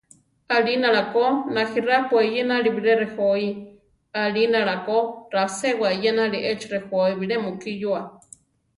Alinála ko najirápua iyenali bilé rejói; alinála ko raséwa iyenali échi rejói bilé mukí yúa.